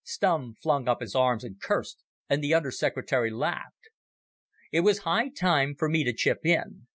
Stumm flung up his arms and cursed, and the Under Secretary laughed. It was high time for me to chip in.